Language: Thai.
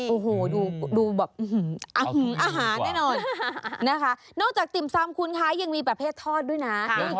โอ้โหดูแบบอาหารแน่นอนนะคะนอกจากติ่มซำคุณคะยังมีประเภททอดด้วยนะ